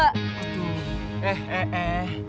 aduh eh eh eh